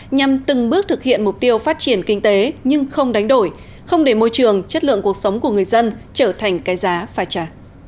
nhằm từng bước thực hiện mục tiêu phát triển kinh tế nhưng không đánh đổi không để môi trường chất lượng cuộc sống của người dân trở thành cái giá phải trả